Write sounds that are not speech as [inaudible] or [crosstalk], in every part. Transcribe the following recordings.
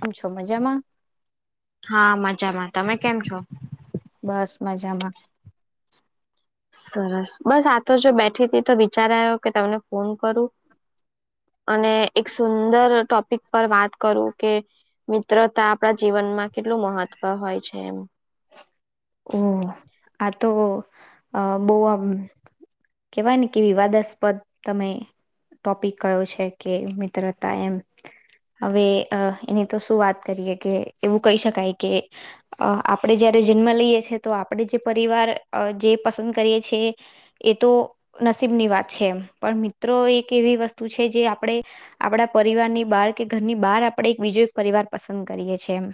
પુછો મજામાં? હા મજામાં તમે કેમ છો. બસ મજામાં. સરસ બસ આ તો જો બેઠી તી તો વિચાર આયો કે તમને ફોન કરું. અને એક સુંદર ટોપિક પર વાત કરું કે મિત્રતા આપણા જીવનમાં કેટલું મહત્વ હોય છે એમ. ઓ આ તો અ બહું આમ કેવાય ને કે વિવાદાસ્પદ તમે ટોપિક કયો છે કે મિત્રતા એમ. હવે અ એની તો શું વાત કરીએ કે એવું કહી શકાય કે અ આપણેે જયારે જન્મ લઈએ છીએ તો આપણે જે પરિવાર જે પસંદ કરીએ છીએ એ તો નસીબની વાત છે, પણ મિત્રો એક એવી વસ્તુ છે જે આપડે. આપડા પરિવારની બહાર કે ઘરની બહાર આપડે એક બીજો એક પરિવાર પસંદ કરીએ છીએ એમ.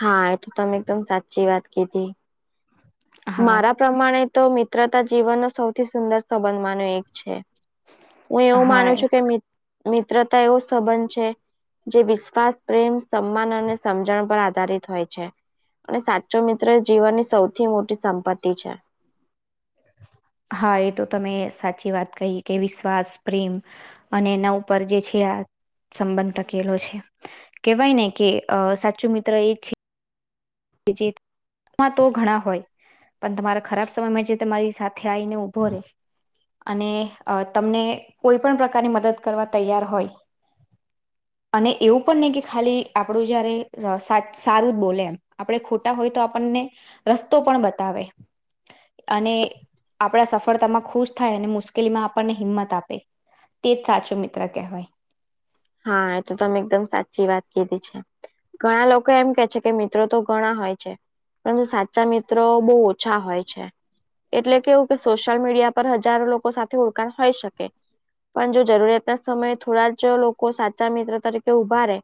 હા, એ તો તમે એકદમ સાચી વાત કીધી. હા મારા પ્રમાણે તો મિત્રતા જીવનનો સૌથી સુંદર સંબંધમાનો એક છે. હું એવું હા માનું છું કે મિત મિત્રતા એવો સંબંધ છે. જે વિશ્વાસ, પ્રેમ, સમ્માન અને સમજણ પર આધારિત હોય છે. અને સાચો મિત્ર એ જીવનની સૌથી મોટી સંપત્તિ છે. હા, એ તો તમે સાચી વાત કહી કે વિશ્વાસ, પ્રેમ. અને એના ઉપર જે છે આ સંબંધ ટકેલો છે. કેવાય ને કે અ સાછો મિત્ર એ છે. કે જે એમાં તો ઘણા હોય. પણ તમારા ખરાબ સમયમાં જે તમારી સાથે આવીને ઊભો રે. અને અ તમને કોઈ પણ પ્રકારની મદદ કરવા તૈયાર હોય. અને એવું પણ નહી કે ખાલી આપડું જયારે ઝ સા સારું જ બોલે એમ. આપડે ખોટા હોય તો આપણને રસ્તો પણ બતાવે. અને આપણા સફળતામાં ખુશ થાય અને મુશ્કેલીમાં આપણને હિંમત આપે. તેજ સાચો મિત્ર કહેવાય. હા, એ તો તમે એકદમ સાચી વાત કીધી છે. ઘણા લોકો એમ કે છે કે મિત્રો તો ઘણા હોય છે. પરંતુ સાચા મિત્રો બહુ ઓછા હોય છે. એટલે કેવું કે સોશિયલ મીડિયા પર હજારો લોકો સાથે ઓળખાણ હોઈ શકે. પણ જો જરૂરિયાત ના સમયે થોડા જ લોક કો સાચા મિત્ર તરીકે ઉભા રહે,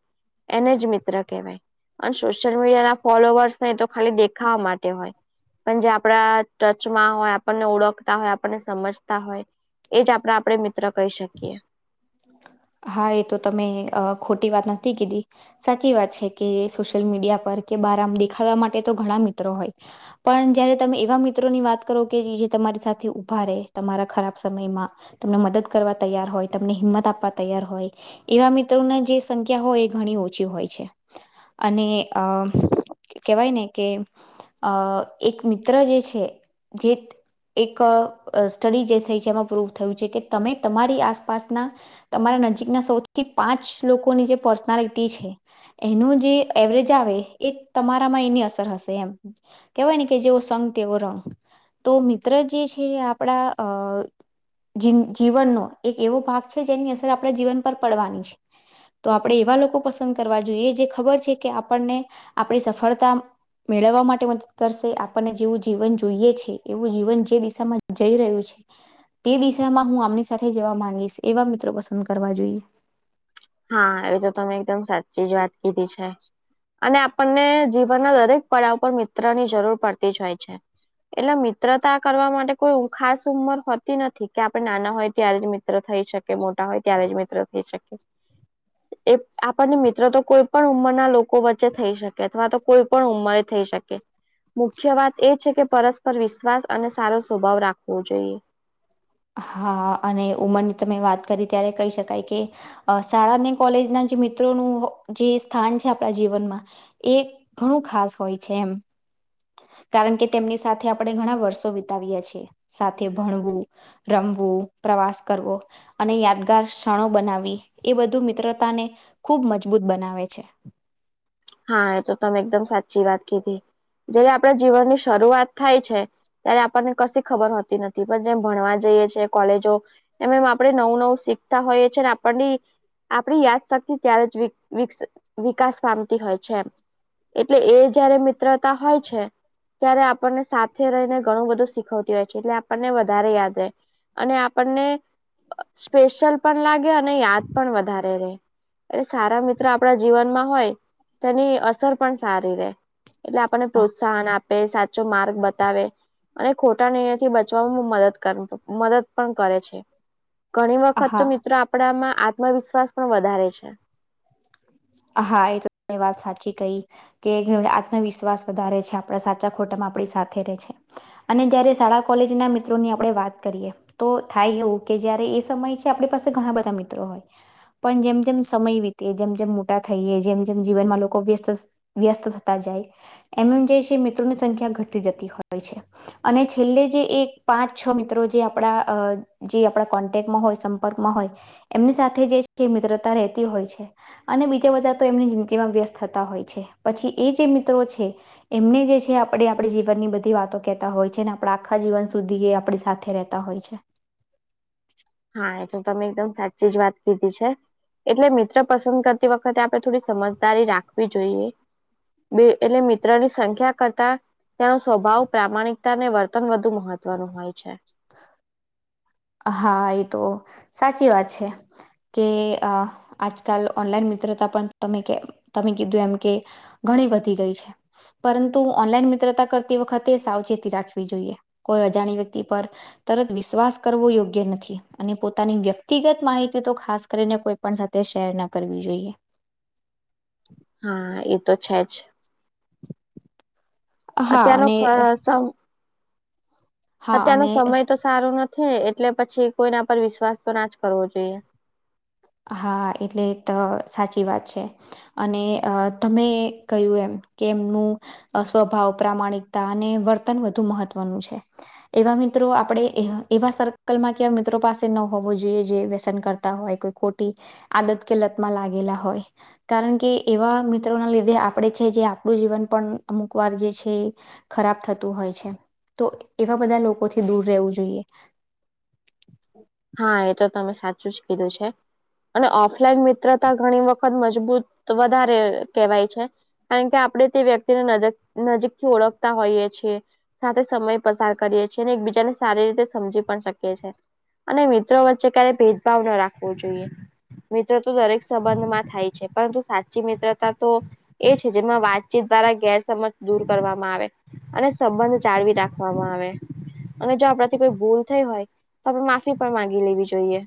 એને જ મિત્ર કહેવાય. પણ સોશિયલ મીડિયા ના ફોલોવર્સ ને તો ખાલી દેખાવા માટે હોય. પણ જે આપણા ટચમાં હોય આપણને ઓળખતા હોય આપણને સમજતા હોય એજ આપડા આપડે મિત્ર કહી શકીએ. હા, એ તો તમે અ ખોટી વાત નથી કીધી. સાચી વાત છે કે સોશિયલ મીડિયા પર કે બાર આમ દેખાડવા માટે તો ઘણા મિત્રો હોય. પણ જયારે તમે એવા મિત્રો ની વાત કરો કે જીજે તમારી સાથે ઉભા રહે તમારા ખરાબ સમયમાં. તમને મદદ કરવા તૈયાર હોય, તમને હિંમત આપવા તૈયાર હોય. એવા મિત્રોની જે સંખ્યા હોય એ ઘણી ઓછી હોય છે. અને અ કેહેવાય ને કે અ એક મિત્ર જે છે જેત એક અ સ્ટડી જે થઈ છે એમાં પ્રૂવ થયું છે કે તમે તમારી આસપાસના તમારા નજીકના સૌથી પાંચ લોકોની જે પર્સનાલિટી છે એનું જે એવરેજ આવે એ તમારામાં એની અસર હશે એમ. કેહેવાય ને કે જેવો સંગ તેવો રંગ, તો મિત્ર જે છે આપણા અ જિન જીવનનો એક એવો ભાગ છે જેની અસર આપણે જીવન પર પડવાની છે. તો આપણે એવા લોકો પસંદ કરવા જોઈએ જે ખબર છે કે આપણને આપણી સફળતા મેળવવા માટે મદદ કરશે, આપણને જેવું જીવન જોઈએ છે એવું જીવન જે દિશામાં જઈ રહ્યું છે તે દિશામાં હું આમની સાથે જવા માંગીશ. એવા મિત્રો પસંદ કરવા જોઈએ. હા, એ તો તમે એકદમ સાચી જ વાત કીધી છે. અને આપણને જીવનના દરેક પડાવ ઉપર મિત્ર ની જરૂર પડતી જ હોય છે. એટલે મિત્રતા કરવા માટે કોઈ ખાસ ઉંમર હોતી નથી કે આપડે નાના હોય ત્યારે જ મિ ત્ર થઈ શકે મોટા હોય ત્યારે જ મિત્ર થઈ શકે. એ આપણને મિત્ર તો કોઈ પણ ઉંમરના લોકો વચ્ચે થઈ શકે, અથવા તો કોઈ પણ ઉંમરે થઈ શકે. [unintelligible] મુખ્ય વાત એ છે કે પરસ્પર વિશ્વાસ અને સારો સ્વભાવ રાખવો જોઈએ. હા અને ઉંમરની તમેં વાત કરી ત્યારે કહી શકાય કે અ શાળાને કોલેજ ના જે મિત્રોનું જે સ્થાન છે આપણા જીવનમાં એ ઘણું ખાસ હોય છે એમ. કારણ કે તેમની સાથે આપડે ઘણા વર્ષો વિતાવીયા છીએ સાથે ભણવું રમવું, પ્રવાસ કરવો. અને યાદગાર ક્ષણો એ બધું મિત્રતાને ખૂબ મજબૂત બનાવે છે. હા એ તો તમે એકદમ સાચી વાત કીધી જેય આપણા જીવનની શરૂઆત થાય છે ત્યારે આપણને કશી ખબર હોતી નથી પણ જેમ ભણવા જઈએ છીએ કોલેજો એમ એમ આપડે નવું નવું શીખતા હોઈએ છે ને આપણને આપણી યાદ શક્તિ ત્યારે જ વિક વિક્સ વિકાસ પામતી હોય છે એમ. એટલે એ જયારે મિત્રતા હોય છે. ત્યારે આપણને સાથે રહીને, ઘણું બધું શીખવતી હોય છે, એટલે આપણને વધારે યાદ રહે. અને આપણને સ્પેશયલ પણ લાગે, અને યાદ પણ વધારે રહે. એટ સારા મિત્ર આપણા જીવનમાં હોય, તેની અસર પણ સારી રહે. એટલે આપણને હા પ્રોત્સાહન આપે, સાચો માર્ગ બતાવે. અને ખોટા નિર્ણય થી બચવાવામાં મદદ કર મદદ પણ કરે છે. ઘણી વખત તો હા મિત્રો આપણામાં આત્મવિશ્વાસ પણ વધારે છે. હા, એ તો વાત સાચી કઈ. કે આત્મવિશ્વાસ વધારે છે, આપણા સાચા ખોટામાં આપણી સાથે રહે છે. અને જ્યારે શાળા કોલેજના મિત્રોની આપણે વાત કરીએ. તો થાય એવું કે, જ્યારે એ સમય છે, આપણી પાસે ઘણા બધા મિત્રો હોય. પણ જેમ-જેમ સમય વીતે જેમ-જેમ થઈએ, જેમ-જેમ જીવનમાં લોકો વ્યસ્ત વ્યસ્ત થતા જાય. એમ એમ જે છે, મિત્રોની સંખ્યા ઘટી જતી હોય છે. અને છેલ્લે જે એક પાંચ-છ મિત્રો, જે આપણા જે આપણા કોન્ટેક્ટમાં હોય. ક હોય, એમની સાથે જે છે, મિત્રતા રતી હોય છે. અને બીજા બધા તો એમની જિંદગીમાં વ્યસ્ત થતા હોય છે, પછી એ જે મિત્રો છે. એમને જે છે, આપણે આપણે જીવનની બધી વાતો કેતા હોય છે ને, આપ આખા જીવન સુધી એ આપણી સાથે રહેતા. પતા હોય છે. હા, એ તો એકદમ જ વાત કીધી છે. એટલે મિત્ર પસંદ કરતી વખતે, આપણે થોડી સમજદારી રાખવી જોઈએ. બે એટલે મિત્રની સંખ્યા કરતા તેનો સ્વભાવ પ્રામાણિકતાને, વર્તન વધુ મહત્વનું હોય છે. હ. હા, એ તો સાચી વાત છે. જે આજકાલ ઓનલાઈન મિત્રતા પણ તમે તમે કીધું એમ કે ઘણી વધી ગઈ છે. પરંતુ ઓનલાઈન મિત્રતા કરતી વખતે, સાવચેતી રાખવી જોઈએ, કોઈ અજાણી વ્યક્તિ પર ત જ વિશ્વાસ કરવો યોગ્ય નથી, અને વ્યક્તિગત તો ખાસ કરીને કોઈ પણ સાથે શેર ના કરવી જોઈએ. હા, એ તો છે જ. હા અત્યનો અને [unintelligible] હા અત્યારનો અને સમય તો સારો નથી, એટલે પછી કોઈના પર વિશ્વાસ તો ના જ કરવો જોઈએ. હા, એટલે તો સાચી વાત છે. અને અ તમે કહ્યું એમ કે એમનું સ્વભાવ પ્રામાણિકતા અને વર્તન વધુ મહત્વનું છે. એવા મિત્રો આપણે, એવા સર્કલમાં કેવા મિત્રો પાસે ન હોવો જોઈએ, જે વ્યસન કરે. હોય, કોઈ ખોટી આદત કે, લતમાં લાગેલા હોય. કારણ કે, એવા મિત્રોના લીધે આપણે છે, જે આપણું જીવન પણ અમુક વાર જે છે. ખરાબ થતું હોય છે, તો એવા બધા લોકોથી દૂર રહેવું જોઈએ. હા, એ તો તમે સાચું જ કીધું છે. અને ઓફલાઈન મિત્રતા ઘણી વખત મજબૂત વધારે કેહેવાય છે. કારણ કે, આપણે તે વ્યક્તિને નક નજીક થી ઓળખતા હોઈએ છીએ. સાથે સમય પસાર કરીએ છીએ, અને ને એકબીજાને સારી રીતે સમજી પણ શકીએ છીએ. અને મિત્રો વચ્ચે ક્યારેય ભેદભાવ ન રાખવો જોઈએ. મિત્ર તો દરેક સંબંધમાં થાય છે, પરંતુ સાચી મિત્રતા તો એ છે, જેમાં વાતચીત દ્વારા ગેરસમજ દૂર કરવામાં આવે. અને સંબંધ ચળવી રાખવામાં આવે, અને જો આપણાથી કોઈ ભૂલ થઈ હોય તો આપડે માફ પણ માગી લેવી જોઈએ.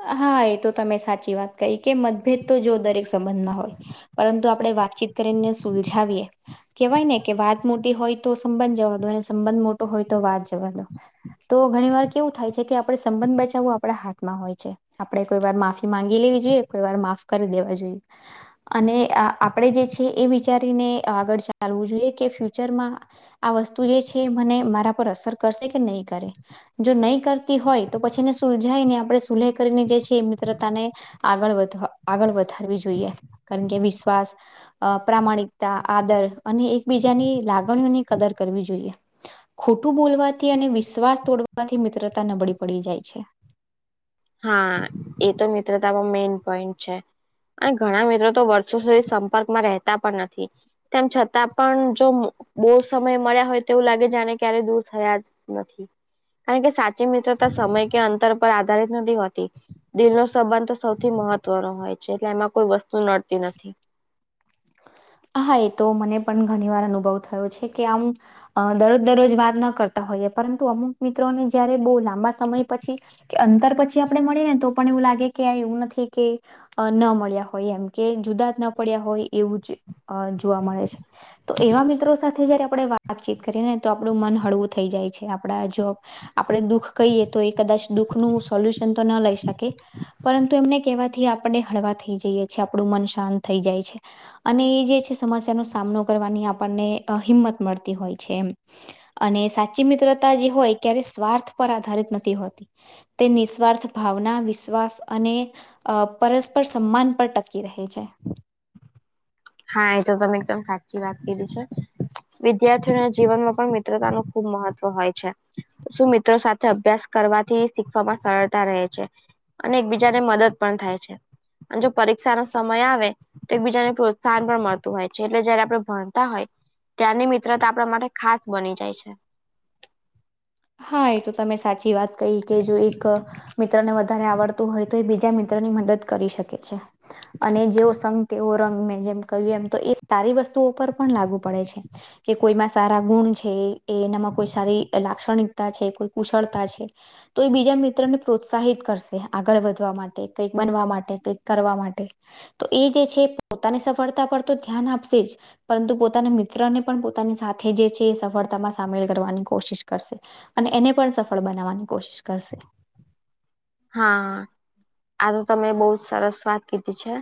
હા, એ તો તમે સાચી વાત કહી કે, મતભેદ તો જો દરેક સંબંધમાં હોય. પરંતુ આપડે વાતચીત કરીને સુલજાવીએ કેવાય ને કે, વાત મોટી હોય તો સંબંધ જવા દો, અને સંબંધ મોટો હોય તો, વાત જવા દો. તો ઘણી વાર કેવું થાય છે કે, આપડે સંબંધ બચાવવું આપડા હાથમાં હોય. છે. આપડે કોઈ વાર માફી માંગી લેવી જોઈએ, વાર માફ કરી દેવા જોઈએ. અને આ આપડે જે છે, એ વિચારીને આગળ ચાલવું જોઈએ, કે ફ્યુચરમાં આ વસ્તુ જે છે, મને મારા પર અસર કરશે કે નહીં કરે. જો નહી કરતી હોય, તો પછીને સુલજાઈ ને આપડે સુલે કરીને જે છે, એ મિત્રતાને આગળ વધા આગળ વધારવી જોઈએ. કારણ કે, વિશ્વાસ અહ પ્રામાણિકતા આદર, અને એકબીજાની લાગણીઓની કદર કરવી જોઈએ. ખોટું બોલવાથી, અને વિશ્વાસ તોડવાથી, મિત્રતા નબળી પડી જાય છે. હા, એ તો મિત્રતામાં મેઈન પોઈન્ટ છે. અને ઘણા મિત્રો તો વર્ષો સુધી સંપર્કમાં રહેતા પણ નથી. તેમ છતાં પણ, જો બહુ સમય મળા હોય તેવું લાગે, જાને ક્યારે દૂર થયા નથી. કારણ કે, સાચી મિત્રતા સમય કે અંતર પર આ નથી હોતી, દિલ નો સંબંધ તો સૌથી મહત્વનો હોય છે, એટલે એમાં કોઈ વસ્તુ નડતી નથી. હા, એ તો મને પણ ઘણી વાર અનુભવ થયો છે કે, આમ અહ દરરોજ દરરોજ વાત ન કરતા હોઈએ, પરંતુ અમુક મિત્રોને જયારે બહુ લાંબા સમય પછી કે અંતર પછી આપડે મળી ને, તો પણ એવું લાગે કે, આ એવું નથી કે અહ ન મળ્યા હોય, એમ કે જુદા જ ન પડ્યા હોય, એવું જ અહ જોવા મળે છે. તો એવા મિત્રો સાથે જયારે આપડે વાતચીત કરીએ ને તો, આપડું મન હળવું થઈ જાય છે, આપડા જો આપડે દુઃખ કહીએ તો, એ કદાચ દુઃખ નો સોલ્યુશન તો ના લઈ શકે. પરંતુ એમને કેહેવાથી, આપડે હળવા થઈ જઈએ છીએ, આપડું મન શાંત થઈ જાય છે. અને એ જે છે, સમસ્યાનો સામનો કરવાની આપણને અહ હિંમત મળતી હોય છે એમ. અને સાચી મિત્રતા જે હોય, ક્યારે સ્વાર્થ પર આધારિત નથી હોતી. તે નિસ્વાર્થ ભાવના, વિશ્વાસ અને અહ પરસ્પર સમાન પર ટકી રહે છે. હા, એ તો તમે એકદમ સાચી વાત કીધી છે, વિદ્યાર્થીઓના જીવનમાં પણ મિત્રતાનું ખૂબ મહત્વ તો હોય છે, શું મિત્રો સાથે અભ્યાસ કરવાથી શીખવામાં સરળતા રહે છે. અને એકબીજાને મદદ પણ થાય છે, અને જો પરીક્ષા નો સમય આવે, તે બીજાને પ્રો સ્થાન પણ મળતું હોય છે, એટલે જયારે આપડે ભણતા હોય ત્યાંની મિત્રતા આપડા માટે ખાસ બની જાય છે. હા, એ તો તમે સાચી વાત કહી કે જો એક અહ મિત્ર ને વધ ધારે આવડતું હોય તો એ બીજા મિત્રો ની મદદ કરી શકે છે. અને જેવો સંગ તેવો રંગ મેં જેમ કહ્યું એમ તો એ સારી વસ્તુ ઉપર પણ લાગુ પડે છે. કે કોઈમાં સારા ગુણ છે એ એનામાં કોઈ સારી લાગ ગણીકતા છે કોઈ કુશળતા છે. તો એ બીજા મિત્રને પ્રોત્સાહિત કરશે આગળ વધવા માટે કંઈક બનવા માટે કઈક કરવા માટે. તો એ જે છે પોતાને સફળતા પર તો ધ્યાન આપસે જ. પરંતુ પોતાના મિત્રને પણ પોતાની સાથે જે છે એ સફળતામાં સામેલ કરવાની કોશિશ કરશે અને એને પણ સફળ બનાવાની કોશિશ કરશે. હા આતો તમે બવુજ સરસ વાત કીધી છે.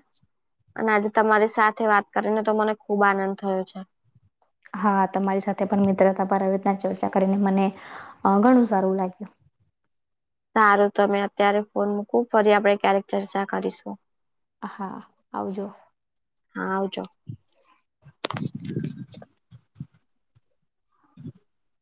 અને આજે તમારે સાથે વાત કરીને તો મને ખુબ આનંદ થયો છે. હા તમારી સાથે પણ મિત્રતા પર આવી રીતના ચર્ચા કરીને મને ઘણું સારું લાગ્યું. સારું તમે અત્યારે ફોન મૂકું ફરી આપડે ક્યારેક ચર્ચા કરીશું. હા આવજો. હા આવજો [inaudible]